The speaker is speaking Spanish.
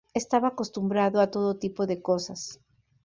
Estaba acostumbrado a todo tipo de cosas.